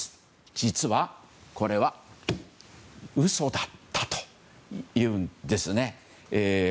実は、これは嘘だったというんです。